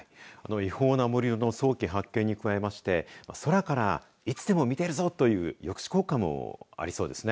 違法な盛り土の早期発見に加えまして空からいつでも見てるぞという抑止効果もありそうですね。